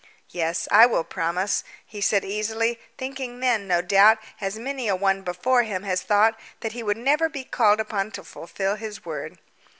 "Yes, I will promise," he said easily, thinking then, no doubt, as many a one before him has thought, that he would never be called upon to fulfil his word.